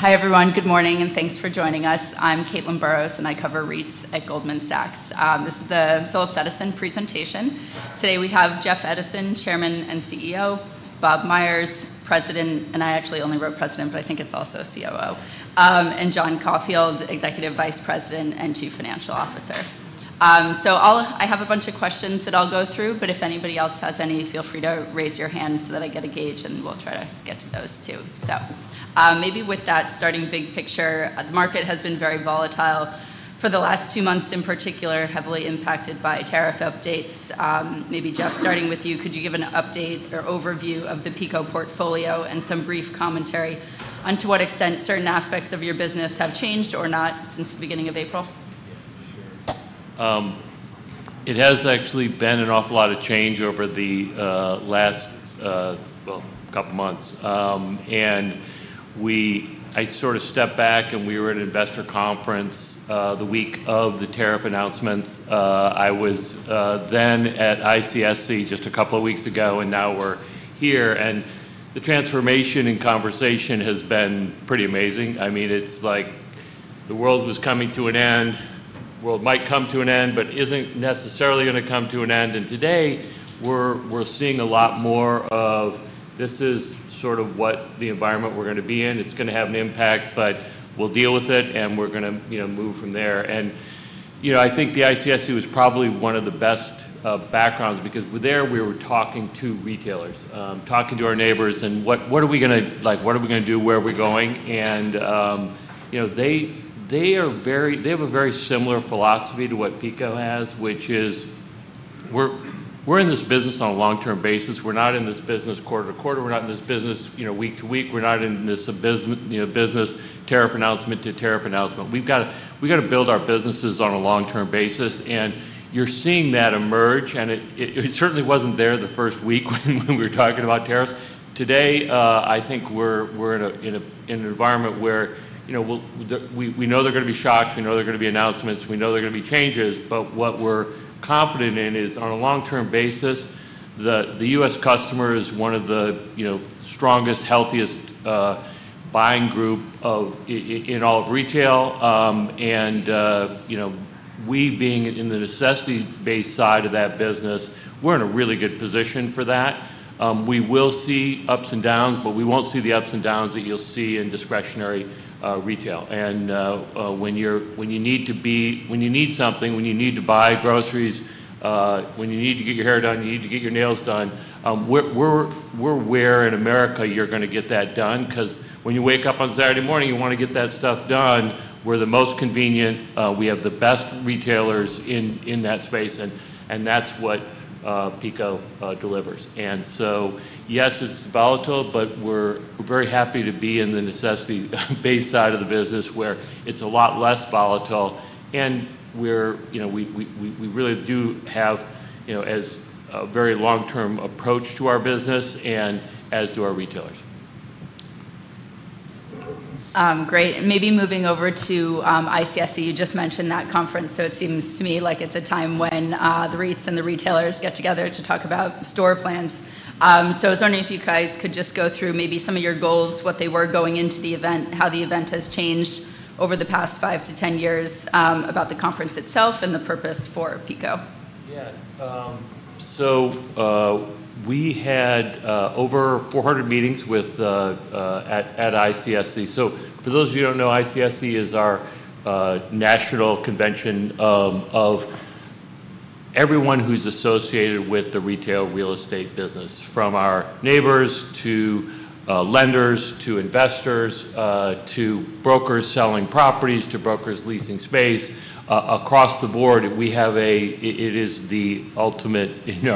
Hi everyone, good morning and thanks for joining us. I'm Caitlin Burrows and I cover REITs at Goldman Sachs. This is the Phillips Edison presentation. Today we have Jeff Edison, Chairman and CEO; Bob Myers, President, and I actually only wrote President, but I think it's also COO; and John Caulfield, Executive Vice President and Chief Financial Officer. I have a bunch of questions that I'll go through, but if anybody else has any, feel free to raise your hand so that I get a gauge and we'll try to get to those too. Maybe with that, starting big picture, the market has been very volatile for the last two months in particular, heavily impacted by tariff updates. Maybe Jeff, starting with you, could you give an update or overview of the PECO portfolio and some brief commentary on to what extent certain aspects of your business have changed or not since the beginning of April? Yeah, for sure. It has actually been an awful lot of change over the last, well, couple months. I sort of stepped back and we were at an investor conference the week of the tariff announcements. I was then at ICSC just a couple of weeks ago and now we're here. The transformation in conversation has been pretty amazing. I mean, it's like the world was coming to an end, the world might come to an end, but isn't necessarily going to come to an end. Today we're seeing a lot more of this is sort of what the environment we're going to be in. It's going to have an impact, but we'll deal with it and we're going to move from there. I think the ICSC was probably one of the best backgrounds because there we were talking to retailers, talking to our neighbors, and what are we going to, like, what are we going to do, where are we going? They are very, they have a very similar philosophy to what PECO has, which is we're in this business on a long-term basis. We're not in this business quarter to quarter. We're not in this business week to week. We're not in this business tariff announcement to tariff announcement. We've got to build our businesses on a long-term basis. You're seeing that emerge. It certainly was not there the first week when we were talking about tariffs. Today, I think we're in an environment where we know there are going to be shocks, we know there are going to be announcements, we know there are going to be changes. What we're confident in is on a long-term basis, the U.S. customer is one of the strongest, healthiest buying groups in all of retail. We, being in the necessity-based side of that business, are in a really good position for that. We will see ups and downs, but we won't see the ups and downs that you'll see in discretionary retail. When you need to be, when you need something, when you need to buy groceries, when you need to get your hair done, you need to get your nails done, we're where in America you're going to get that done. Because when you wake up on Saturday morning, you want to get that stuff done, we're the most convenient. We have the best retailers in that space. That's what PECO delivers. Yes, it's volatile, but we're very happy to be in the necessity-based side of the business where it's a lot less volatile. We really do have a very long-term approach to our business and as do our retailers. Great. Maybe moving over to ICSC, you just mentioned that conference. It seems to me like it's a time when the REITs and the retailers get together to talk about store plans. I was wondering if you guys could just go through maybe some of your goals, what they were going into the event, how the event has changed over the past five to ten years, about the conference itself and the purpose for PECO. Yeah. So we had over 400 meetings at ICSC. For those of you who do not know, ICSC is our national convention of everyone who is associated with the retail real estate business, from our neighbors to lenders to investors to brokers selling properties to brokers leasing space across the board. It is the ultimate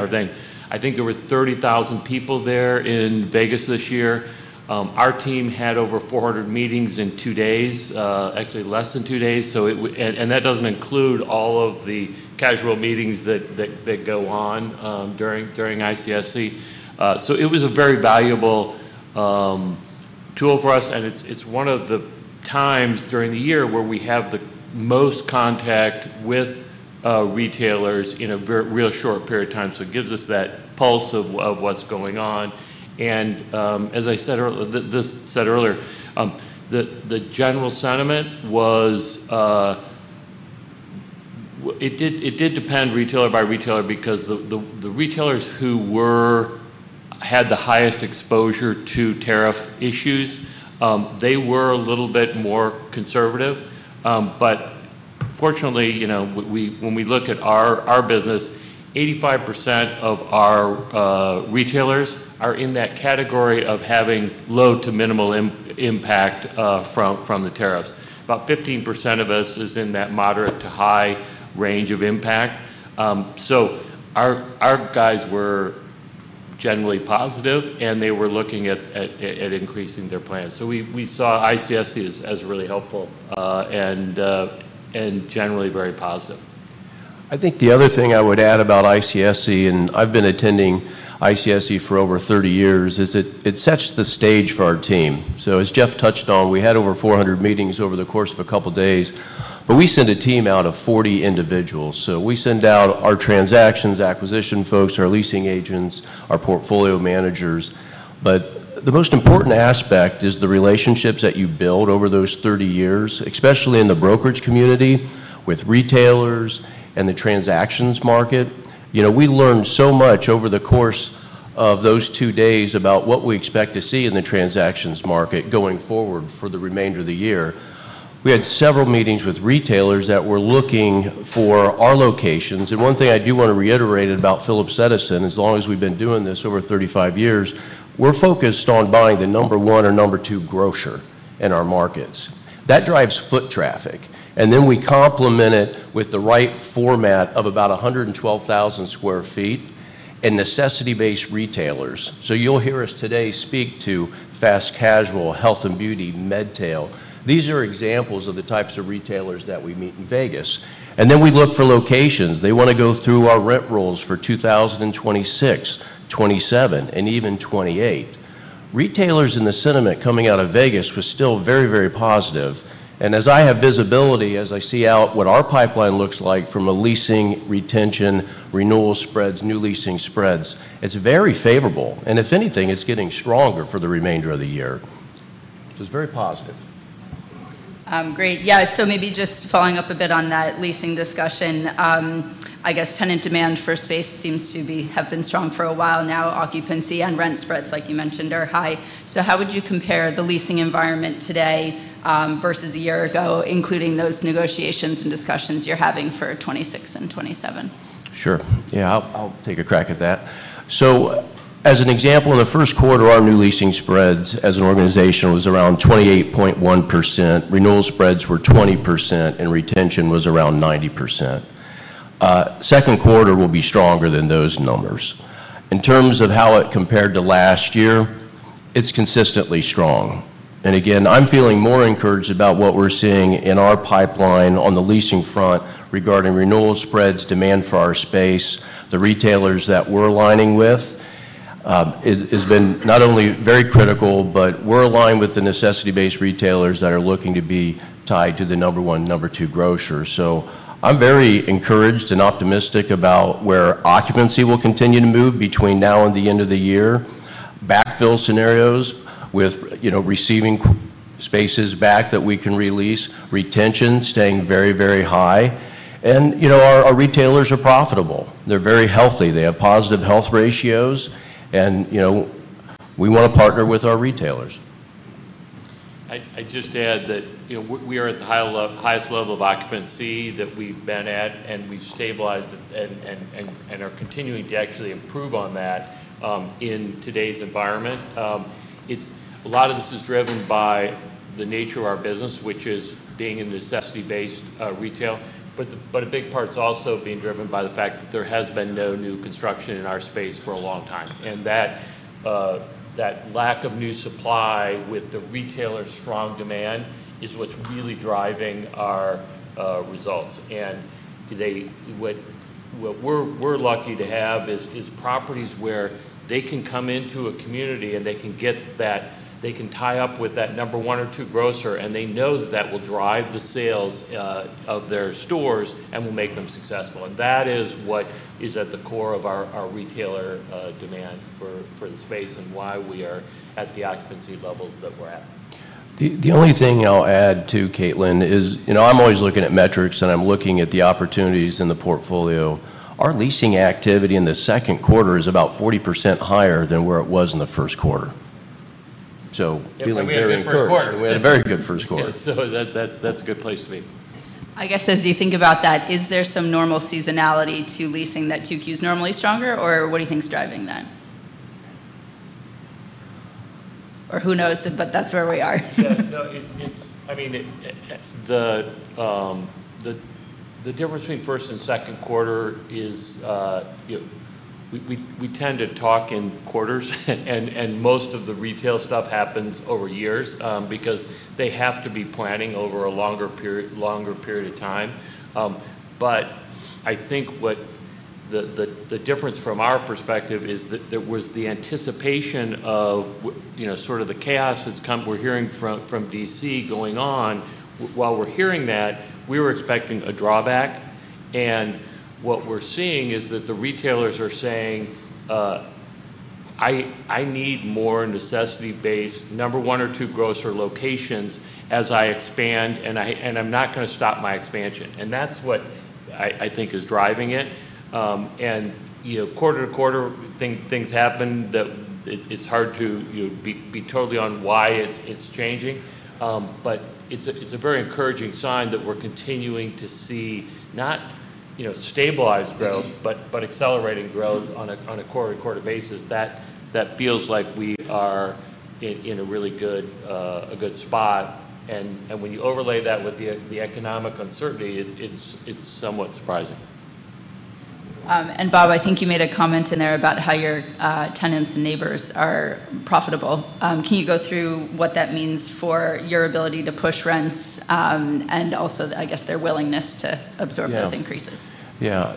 thing. I think there were 30,000 people there in Vegas this year. Our team had over 400 meetings in two days, actually less than two days. That does not include all of the casual meetings that go on during ICSC. It was a very valuable tool for us. It is one of the times during the year where we have the most contact with retailers in a real short period of time. It gives us that pulse of what is going on. As I said earlier, the general sentiment was it did depend retailer by retailer because the retailers who had the highest exposure to tariff issues, they were a little bit more conservative. Fortunately, when we look at our business, 85% of our retailers are in that category of having low to minimal impact from the tariffs. About 15% of us is in that moderate to high range of impact. Our guys were generally positive and they were looking at increasing their plans. We saw ICSC as really helpful and generally very positive. I think the other thing I would add about ICSC, and I've been attending ICSC for over 30 years, is it sets the stage for our team. As Jeff touched on, we had over 400 meetings over the course of a couple of days. We send a team out of 40 individuals. We send out our transactions, acquisition folks, our leasing agents, our portfolio managers. The most important aspect is the relationships that you build over those 30 years, especially in the brokerage community with retailers and the transactions market. We learned so much over the course of those two days about what we expect to see in the transactions market going forward for the remainder of the year. We had several meetings with retailers that were looking for our locations. One thing I do want to reiterate about Phillips Edison, as long as we've been doing this over 35 years, we're focused on buying the number one or number two grocer in our markets. That drives foot traffic. We complement it with the right format of about 112,000 sq ft and necessity-based retailers. You'll hear us today speak to fast casual, health and beauty, med-tail. These are examples of the types of retailers that we meet in Las Vegas. We look for locations. They want to go through our rent rolls for 2026, 2027, and even 2028. Retailers in the sentiment coming out of Las Vegas was still very, very positive. As I have visibility, as I see out what our pipeline looks like from a leasing, retention, renewal spreads, new leasing spreads, it's very favorable. If anything, it's getting stronger for the remainder of the year. It is very positive. Great. Yeah. Maybe just following up a bit on that leasing discussion, I guess tenant demand for space seems to have been strong for a while now. Occupancy and rent spreads, like you mentioned, are high. How would you compare the leasing environment today versus a year ago, including those negotiations and discussions you're having for 2026 and 2027? Sure. Yeah, I'll take a crack at that. As an example, in the first quarter, our new leasing spreads as an organization was around 28.1%. Renewal spreads were 20% and retention was around 90%. Second quarter will be stronger than those numbers. In terms of how it compared to last year, it's consistently strong. Again, I'm feeling more encouraged about what we're seeing in our pipeline on the leasing front regarding renewal spreads, demand for our space, the retailers that we're aligning with has been not only very critical, but we're aligned with the necessity-based retailers that are looking to be tied to the number one, number two grocers. I'm very encouraged and optimistic about where occupancy will continue to move between now and the end of the year, backfill scenarios with receiving spaces back that we can release, retention staying very, very high. Our retailers are profitable. They are very healthy. They have positive health ratios. We want to partner with our retailers. I just add that we are at the highest level of occupancy that we've been at, and we've stabilized and are continuing to actually improve on that in today's environment. A lot of this is driven by the nature of our business, which is being in necessity-based retail. A big part's also being driven by the fact that there has been no new construction in our space for a long time. That lack of new supply with the retailer's strong demand is what's really driving our results. What we're lucky to have is properties where they can come into a community and they can get that, they can tie up with that number one or two grocer, and they know that that will drive the sales of their stores and will make them successful. That is what is at the core of our retailer demand for the space and why we are at the occupancy levels that we're at. The only thing I'll add too, Caitlin, is I'm always looking at metrics and I'm looking at the opportunities in the portfolio. Our leasing activity in the second quarter is about 40% higher than where it was in the first quarter. Feeling very encouraged. We had a very good first quarter. That's a good place to be. I guess as you think about that, is there some normal seasonality to leasing that 2Q's normally stronger? Or what do you think's driving that? Or who knows, but that's where we are. Yeah. No, I mean, the difference between first and second quarter is we tend to talk in quarters, and most of the retail stuff happens over years because they have to be planning over a longer period of time. I think what the difference from our perspective is that there was the anticipation of sort of the chaos that's come, we're hearing from D.C. going on. While we're hearing that, we were expecting a drawback. What we're seeing is that the retailers are saying, "I need more necessity-based number one or two grocer locations as I expand, and I'm not going to stop my expansion." That's what I think is driving it. Quarter to quarter, things happen that it's hard to be totally on why it's changing. It is a very encouraging sign that we are continuing to see not stabilized growth, but accelerating growth on a quarter to quarter basis. That feels like we are in a really good spot. When you overlay that with the economic uncertainty, it is somewhat surprising. Bob, I think you made a comment in there about how your tenants and neighbors are profitable. Can you go through what that means for your ability to push rents and also, I guess, their willingness to absorb those increases? Yeah.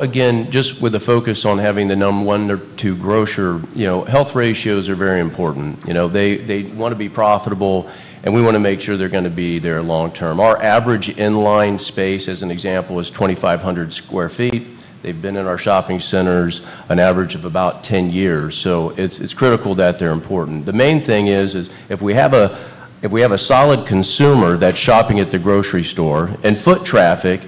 Again, just with the focus on having the number one or two grocer, health ratios are very important. They want to be profitable, and we want to make sure they're going to be there long-term. Our average inline space, as an example, is 2,500 sq ft. They've been in our shopping centers an average of about 10 years. So it's critical that they're important. The main thing is if we have a solid consumer that's shopping at the grocery store and foot traffic,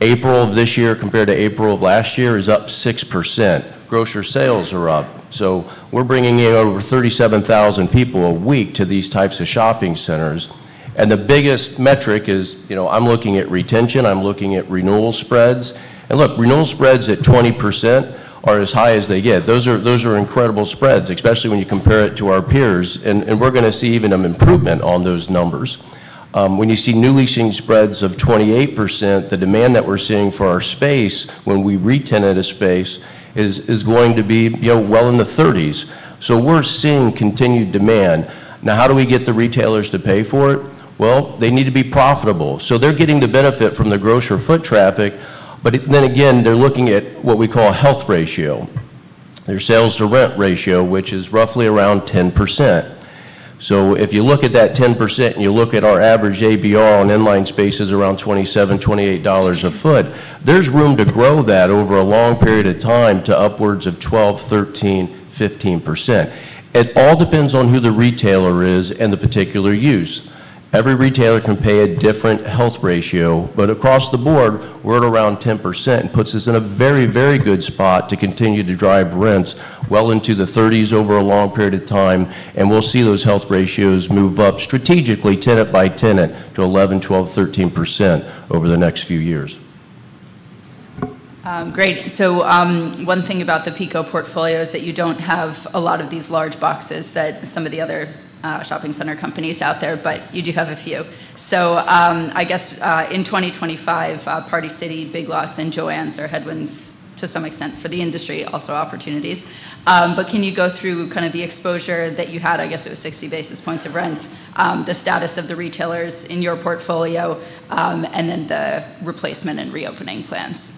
April of this year compared to April of last year is up 6%. Grocer sales are up. We're bringing in over 37,000 people a week to these types of shopping centers. The biggest metric is I'm looking at retention, I'm looking at renewal spreads. Look, renewal spreads at 20% are as high as they get. Those are incredible spreads, especially when you compare it to our peers. We are going to see even an improvement on those numbers. When you see new leasing spreads of 28%, the demand that we are seeing for our space when we retain a space is going to be well in the 30s. We are seeing continued demand. Now, how do we get the retailers to pay for it? They need to be profitable. They are getting the benefit from the grocer foot traffic. They are looking at what we call a health ratio, their sales to rent ratio, which is roughly around 10%. If you look at that 10% and you look at our average ABR on inline space is around $27-$28 a foot, there is room to grow that over a long period of time to upwards of 12%, 13%, 15%. It all depends on who the retailer is and the particular use. Every retailer can pay a different health ratio. Across the board, we're at around 10% and it puts us in a very, very good spot to continue to drive rents well into the 30s over a long period of time. We'll see those health ratios move up strategically tenant by tenant to 11%, 12%, 13% over the next few years. Great. One thing about the PECO portfolio is that you do not have a lot of these large boxes that some of the other shopping center companies out there have, but you do have a few. I guess in 2025, Party City, Big Lots, and Joann Fabrics are headwinds to some extent for the industry, also opportunities. Can you go through kind of the exposure that you had? I guess it was 60 basis points of rents, the status of the retailers in your portfolio, and then the replacement and reopening plans?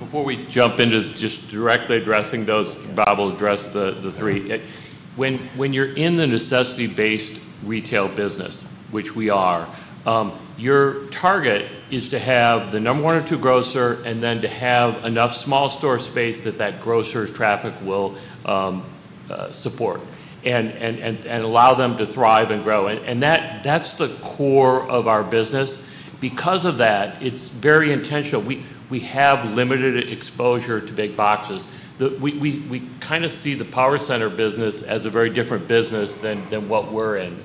Before we jump into just directly addressing those, Bob will address the three. When you're in the necessity-based retail business, which we are, your target is to have the number one or two grocer and then to have enough small store space that that grocer's traffic will support and allow them to thrive and grow. That's the core of our business. Because of that, it's very intentional. We have limited exposure to big boxes. We kind of see the power center business as a very different business than what we're in.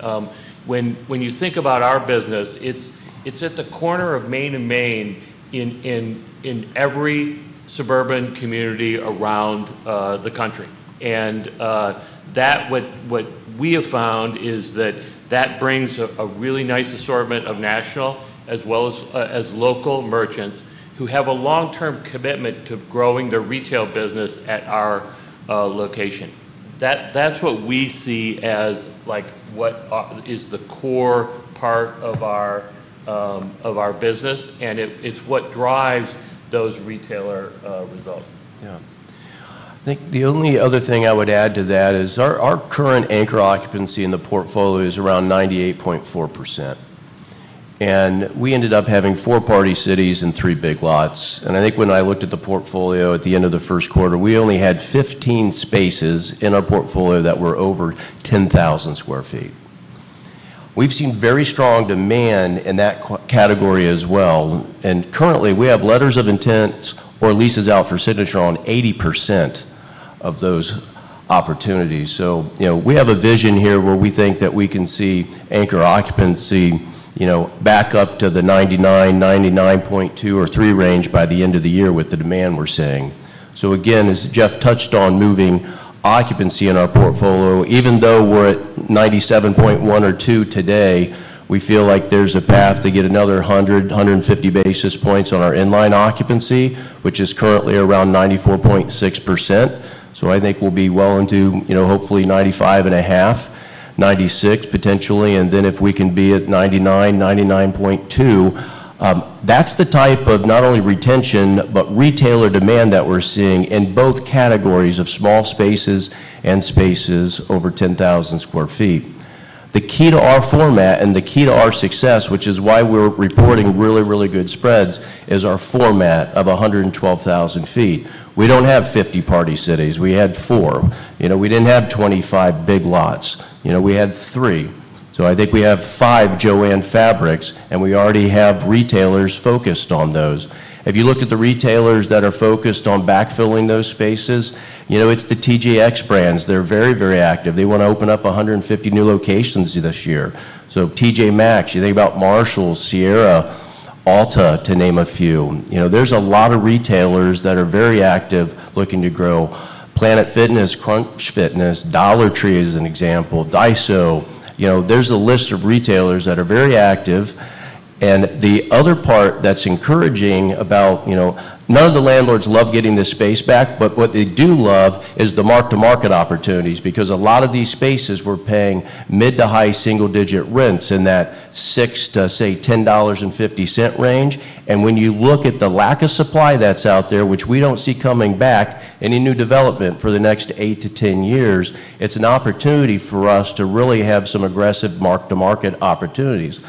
When you think about our business, it's at the corner of Main and Main in every suburban community around the country. What we have found is that that brings a really nice assortment of national as well as local merchants who have a long-term commitment to growing their retail business at our location. That's what we see as what is the core part of our business, and it's what drives those retailer results. Yeah. I think the only other thing I would add to that is our current anchor occupancy in the portfolio is around 98.4%. We ended up having four Party City and three Big Lots. I think when I looked at the portfolio at the end of the first quarter, we only had 15 spaces in our portfolio that were over 10,000 sq ft. We've seen very strong demand in that category as well. Currently, we have letters of intent or leases out for signature on 80% of those opportunities. We have a vision here where we think that we can see anchor occupancy back up to the 99-99.2 or 3% range by the end of the year with the demand we're seeing. Again, as Jeff touched on, moving occupancy in our portfolio, even though we're at 97.1 or 97.2 today, we feel like there's a path to get another 100-150 basis points on our inline occupancy, which is currently around 94.6%. I think we'll be well into hopefully 95.5, 96 potentially. If we can be at 99, 99.2, that's the type of not only retention, but retailer demand that we're seeing in both categories of small spaces and spaces over 10,000 sq ft. The key to our format and the key to our success, which is why we're reporting really, really good spreads, is our format of 112,000 sq ft. We don't have 50 Party Cities. We had four. We didn't have 25 Big Lots. We had three. I think we have five Joann Fabrics, and we already have retailers focused on those. If you look at the retailers that are focused on backfilling those spaces, it's the TJX brands. They're very, very active. They want to open up 150 new locations this year. So T.J.Maxx, you think about Marshalls, Sierra, Ulta, to name a few. There's a lot of retailers that are very active looking to grow. Planet Fitness, Crunch Fitness, Dollar Tree is an example, Daiso. There's a list of retailers that are very active. The other part that's encouraging about none of the landlords love getting this space back, but what they do love is the mark-to-market opportunities because a lot of these spaces were paying mid to high single-digit rents in that $6 to, say, $10.50 range. When you look at the lack of supply that is out there, which we do not see coming back, any new development for the next 8-10 years, it is an opportunity for us to really have some aggressive mark-to-market opportunities.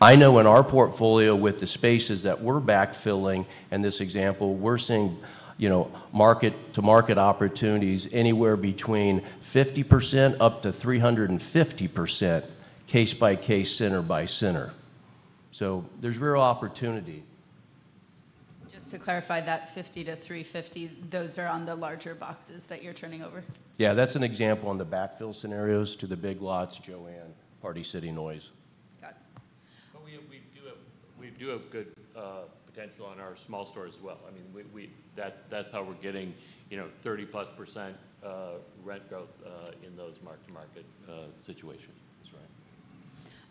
I know in our portfolio with the spaces that we are backfilling in this example, we are seeing mark-to-market opportunities anywhere between 50% up to 350% case by case, center by center. There is real opportunity. Just to clarify, that 50%-350, those are on the larger boxes that you're turning over? Yeah, that's an example on the backfill scenarios to the Big Lots, Joann, Party City noise. We do have good potential on our small store as well. I mean, that's how we're getting 30% plus rent growth in those mark-to-market situations. That's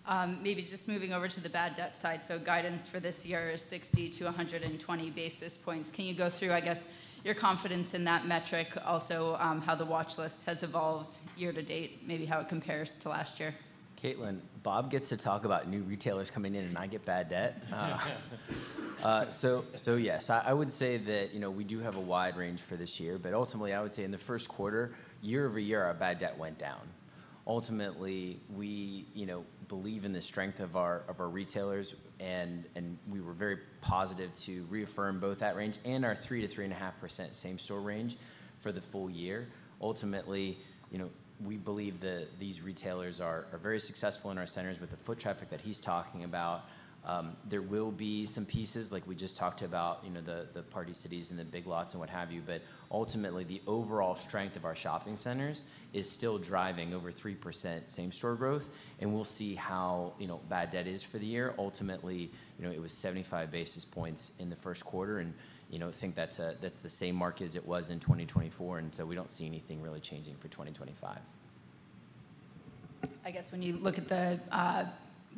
right. Maybe just moving over to the bad debt side. Guidance for this year is 60-120 basis points. Can you go through, I guess, your confidence in that metric, also how the watch list has evolved year to date, maybe how it compares to last year? Caitlin, Bob gets to talk about new retailers coming in and I get bad debt. Yes, I would say that we do have a wide range for this year. Ultimately, I would say in the first quarter, year-over-year, our bad debt went down. Ultimately, we believe in the strength of our retailers, and we were very positive to reaffirm both that range and our 3-3.5% same store range for the full year. Ultimately, we believe that these retailers are very successful in our centers with the foot traffic that he's talking about. There will be some pieces like we just talked about, the Party Cities and the Big Lots and what have you. Ultimately, the overall strength of our shopping centers is still driving over 3% same store growth. We will see how bad debt is for the year. Ultimately, it was 75 basis points in the first quarter, and I think that's the same mark as it was in 2024. We don't see anything really changing for 2025. I guess when you look at the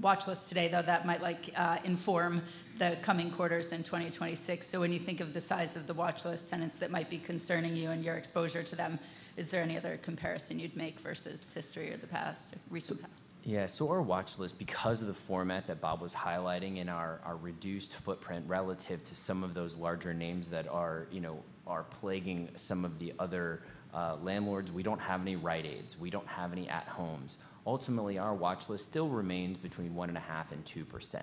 watch list today, though, that might inform the coming quarters in 2026. When you think of the size of the watch list, tenants that might be concerning you and your exposure to them, is there any other comparison you'd make versus history or the past, recent past? Yeah. Our watch list, because of the format that Bob was highlighting in our reduced footprint relative to some of those larger names that are plaguing some of the other landlords, we do not have any Rite Aids. We do not have any At Homes. Ultimately, our watch list still remains between 1.5% and 2%.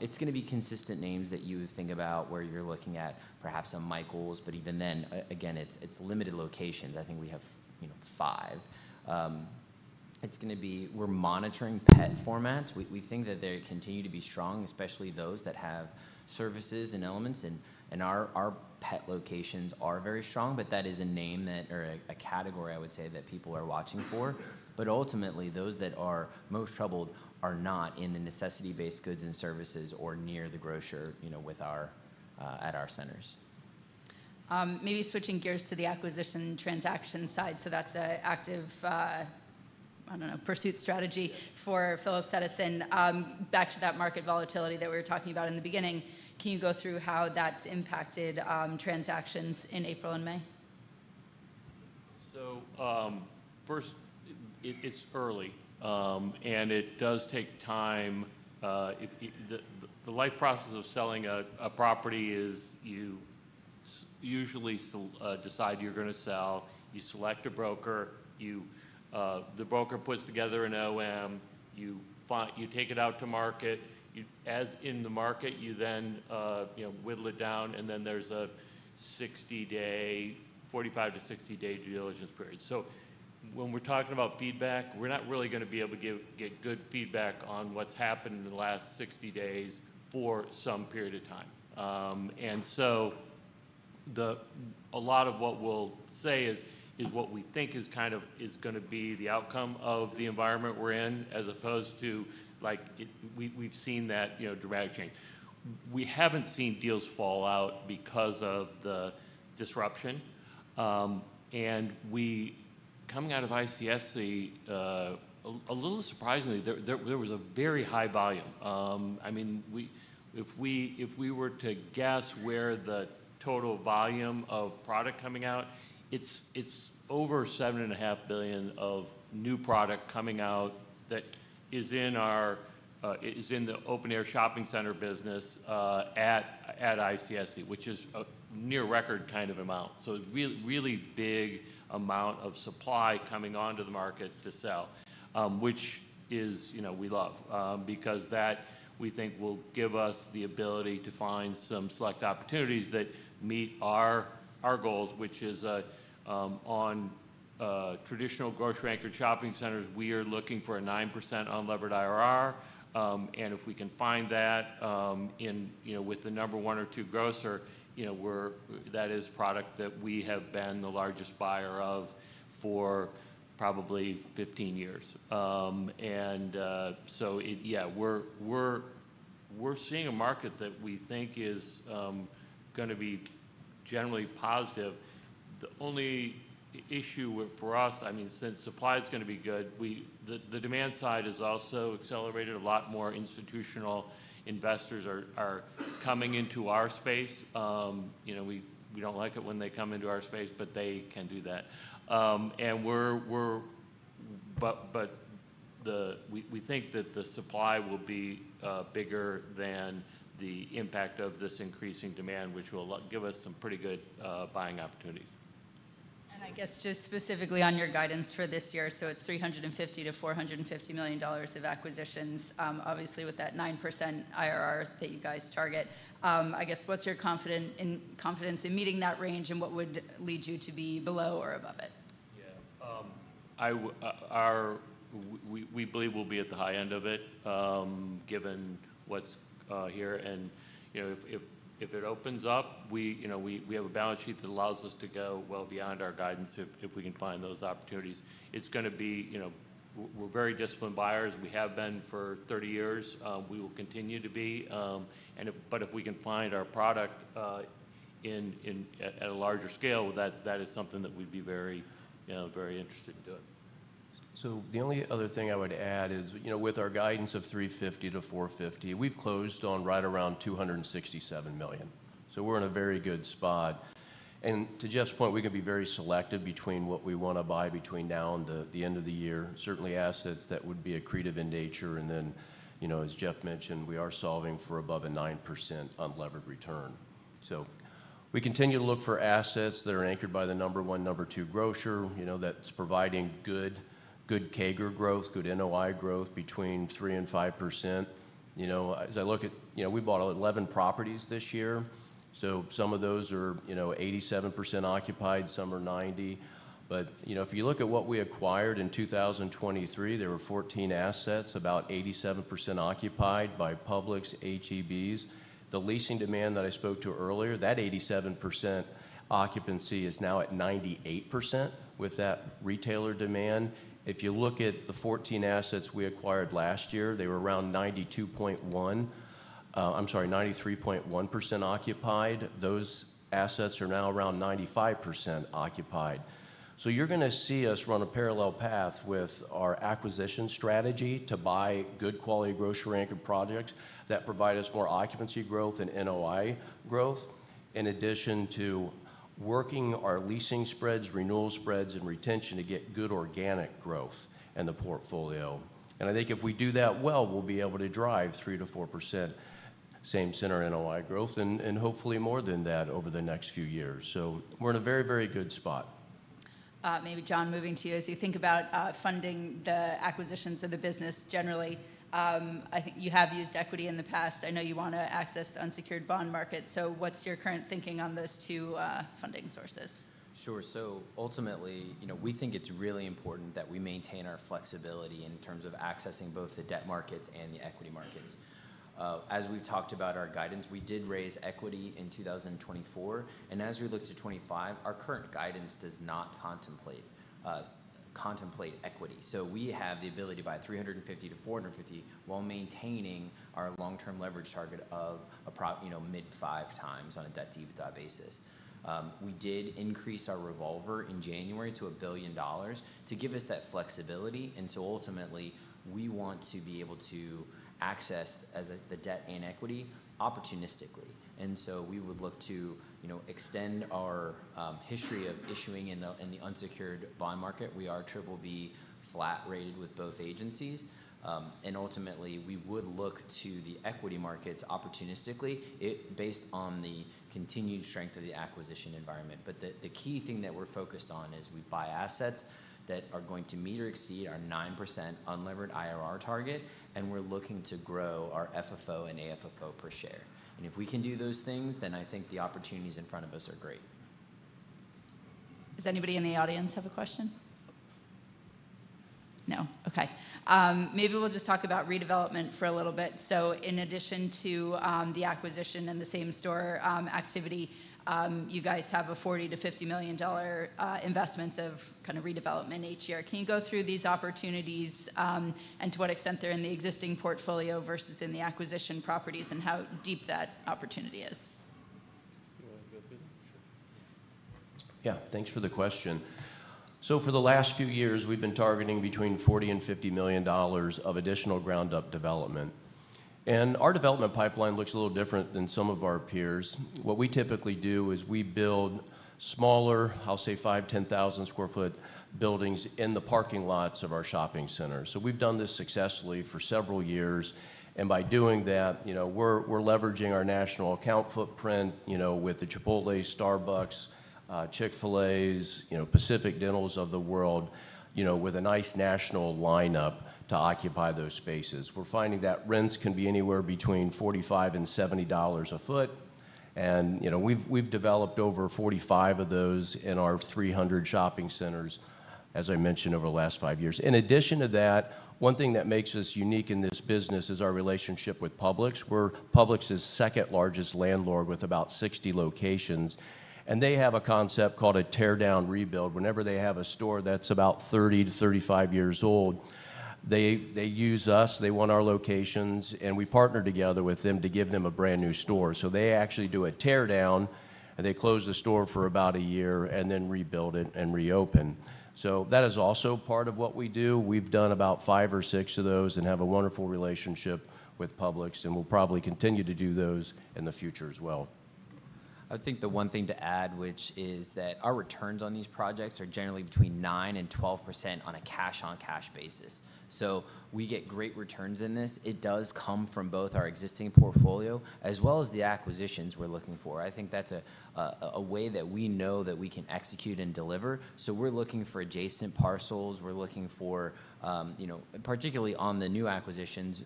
It is going to be consistent names that you think about where you are looking at perhaps a Michaels, but even then, again, it is limited locations. I think we have five. It is going to be we are monitoring pet formats. We think that they continue to be strong, especially those that have services and elements. Our pet locations are very strong, but that is a name that or a category, I would say, that people are watching for. Ultimately, those that are most troubled are not in the necessity-based goods and services or near the grocer with our at our centers. Maybe switching gears to the acquisition transaction side. So that's an active, I don't know, pursuit strategy for Phillips Edison. Back to that market volatility that we were talking about in the beginning, can you go through how that's impacted transactions in April and May? First, it's early, and it does take time. The life process of selling a property is you usually decide you're going to sell. You select a broker. The broker puts together an OM. You take it out to market. As in the market, you then whittle it down, and then there's a 60-day, 45- to 60-day due diligence period. When we're talking about feedback, we're not really going to be able to get good feedback on what's happened in the last 60 days for some period of time. A lot of what we'll say is what we think is kind of going to be the outcome of the environment we're in as opposed to we've seen that dramatic change. We haven't seen deals fall out because of the disruption. Coming out of ICSC, a little surprisingly, there was a very high volume. I mean, if we were to guess where the total volume of product coming out, it's over $7.5 billion of new product coming out that is in the open-air shopping center business at ICSC, which is a near-record kind of amount. A really big amount of supply coming onto the market to sell, which we love because that, we think, will give us the ability to find some select opportunities that meet our goals, which is on traditional grocery-anchored shopping centers, we are looking for a 9% on unlevered IRR. If we can find that with the number one or two grocer, that is product that we have been the largest buyer of for probably 15 years. We are seeing a market that we think is going to be generally positive. The only issue for us, I mean, since supply is going to be good, the demand side has also accelerated a lot more. Institutional investors are coming into our space. We do not like it when they come into our space, but they can do that. We think that the supply will be bigger than the impact of this increasing demand, which will give us some pretty good buying opportunities. I guess just specifically on your guidance for this year, so it's $350 million-$450 million of acquisitions, obviously with that 9% IRR that you guys target. I guess what's your confidence in meeting that range and what would lead you to be below or above it? Yeah. We believe we'll be at the high end of it given what's here. If it opens up, we have a balance sheet that allows us to go well beyond our guidance if we can find those opportunities. It's going to be, we're very disciplined buyers. We have been for 30 years. We will continue to be. If we can find our product at a larger scale, that is something that we'd be very, very interested in doing. The only other thing I would add is with our guidance of $350 million-$450 million, we've closed on right around $267 million. We are in a very good spot. To Jeff's point, we can be very selective between what we want to buy between now and the end of the year, certainly assets that would be accretive in nature. As Jeff mentioned, we are solving for above a 9% unlevered return. We continue to look for assets that are anchored by the number one, number two grocer that's providing good CAGR growth, good NOI growth between 3% and 5%. As I look at it, we bought 11 properties this year. Some of those are 87% occupied, some are 90%. If you look at what we acquired in 2023, there were 14 assets, about 87% occupied by Publix, H-E-Bs. The leasing demand that I spoke to earlier, that 87% occupancy is now at 98% with that retailer demand. If you look at the 14 assets we acquired last year, they were around 92.1%, I'm sorry, 93.1% occupied. Those assets are now around 95% occupied. You are going to see us run a parallel path with our acquisition strategy to buy good quality grocery-anchored projects that provide us more occupancy growth and NOI growth, in addition to working our leasing spreads, renewal spreads, and retention to get good organic growth in the portfolio. I think if we do that well, we will be able to drive 3%-4% same center NOI growth and hopefully more than that over the next few years. We are in a very, very good spot. Maybe John, moving to you as you think about funding the acquisitions of the business generally. I think you have used equity in the past. I know you want to access the unsecured bond market. What's your current thinking on those two funding sources? Sure. Ultimately, we think it's really important that we maintain our flexibility in terms of accessing both the debt markets and the equity markets. As we've talked about our guidance, we did raise equity in 2024. As we look to 2025, our current guidance does not contemplate equity. We have the ability to buy $350 million-$450 million while maintaining our long-term leverage target of mid 5 times on a debt-to-equity basis. We did increase our revolver in January to $1 billion to give us that flexibility. Ultimately, we want to be able to access the debt and equity opportunistically. We would look to extend our history of issuing in the unsecured bond market. We are BBB flat rated with both agencies. Ultimately, we would look to the equity markets opportunistically based on the continued strength of the acquisition environment. The key thing that we're focused on is we buy assets that are going to meet or exceed our 9% unlevered IRR target, and we're looking to grow our FFO and AFFO per share. If we can do those things, then I think the opportunities in front of us are great. Does anybody in the audience have a question? No? Okay. Maybe we'll just talk about redevelopment for a little bit. In addition to the acquisition and the same store activity, you guys have a $40 million-$50 million investment of kind of redevelopment each year. Can you go through these opportunities and to what extent they're in the existing portfolio versus in the acquisition properties and how deep that opportunity is? Do you want to go through them? Sure. Yeah. Thanks for the question. For the last few years, we've been targeting between $40 million and $50 million of additional ground-up development. Our development pipeline looks a little different than some of our peers. What we typically do is we build smaller, I'll say 5,000, 10,000 sq ft buildings in the parking lots of our shopping centers. We've done this successfully for several years. By doing that, we're leveraging our national account footprint with the Chipotle, Starbucks, Chick-fil-A, Pacific Dinners of the world, with a nice national lineup to occupy those spaces. We're finding that rents can be anywhere between $45 and $70 a foot. We've developed over 45 of those in our 300 shopping centers, as I mentioned, over the last five years. In addition to that, one thing that makes us unique in this business is our relationship with Publix. We're Publix's second largest landlord with about 60 locations. They have a concept called a tear-down rebuild. Whenever they have a store that's about 30-35 years old, they use us. They want our locations, and we partner together with them to give them a brand new store. They actually do a tear-down, and they close the store for about a year and then rebuild it and reopen. That is also part of what we do. We've done about five or six of those and have a wonderful relationship with Publix, and we'll probably continue to do those in the future as well. I think the one thing to add, which is that our returns on these projects are generally between 9% and 12% on a cash-on-cash basis. We get great returns in this. It does come from both our existing portfolio as well as the acquisitions we're looking for. I think that's a way that we know that we can execute and deliver. We're looking for adjacent parcels. We're looking for, particularly on the new acquisitions,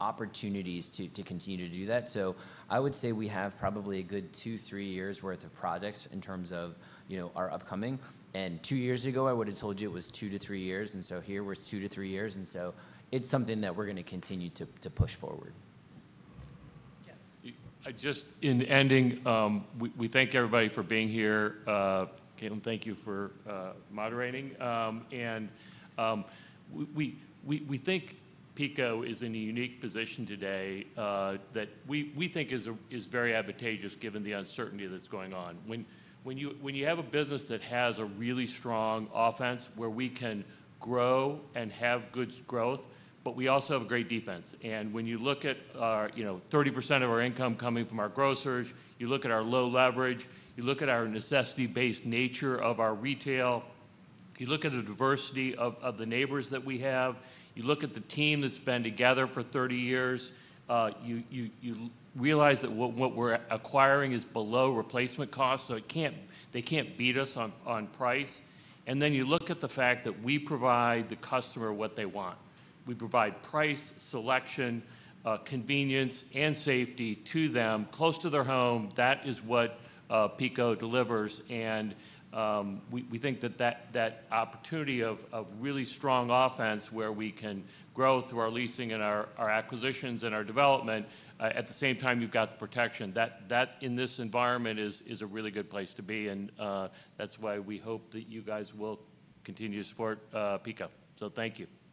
opportunities to continue to do that. I would say we have probably a good two, three years' worth of projects in terms of our upcoming. Two years ago, I would have told you it was two to three years. Here we're two to three years. It's something that we're going to continue to push forward. Just in ending, we thank everybody for being here. Caitlin, thank you for moderating. We think PECO is in a unique position today that we think is very advantageous given the uncertainty that is going on. When you have a business that has a really strong offense where we can grow and have good growth, but we also have great defense. When you look at 30% of our income coming from our grocers, you look at our low leverage, you look at our necessity-based nature of our retail, you look at the diversity of the neighbors that we have, you look at the team that has been together for 30 years, you realize that what we are acquiring is below replacement costs, so they cannot beat us on price. You look at the fact that we provide the customer what they want. We provide price, selection, convenience, and safety to them close to their home. That is what PECO delivers. We think that that opportunity of really strong offense where we can grow through our leasing and our acquisitions and our development, at the same time, you have got the protection. That in this environment is a really good place to be. That is why we hope that you guys will continue to support PECO. Thank you. Thanks, everybody. Yes. Thanks.